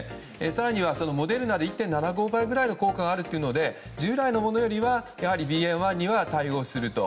更にはモデルナで１．７５倍ほどの効果があるということで従来のものよりはＢＡ．１には対応すると。